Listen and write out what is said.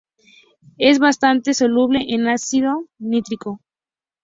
Es bastante soluble en ácido nítrico.